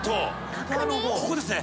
ここですね。